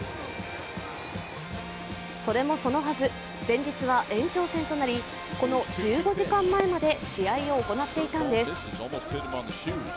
それもそのはず、前日は延長戦となりこの１５時間前まで試合を行っていたんです。